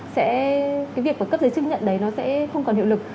cái việc của cấp giấy chứng nhận đấy nó sẽ không còn hiệu lực